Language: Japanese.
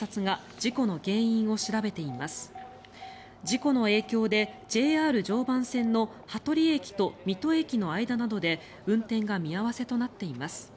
事故の影響でＪＲ常磐線の羽鳥駅と水戸駅の間などで運転が見合わせとなっています。